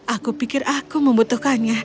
aku pikir aku membutuhkannya